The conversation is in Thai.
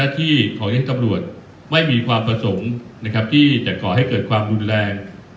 ที่จะขอให้เกิดความตัวแรง